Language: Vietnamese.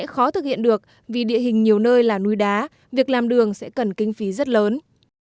khó thực hiện được vì địa hình nhiều nơi là núi đá việc làm đường sẽ cần kinh phí rất lớn